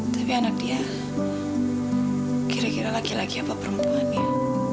tapi anak dia kira kira laki laki apa perempuannya